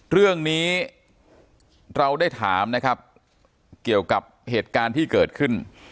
เรื่องนี้เราได้ถามนะครับเกี่ยวกับเหตุการณ์ที่เกิดขึ้น